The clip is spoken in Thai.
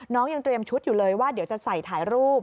ยังเตรียมชุดอยู่เลยว่าเดี๋ยวจะใส่ถ่ายรูป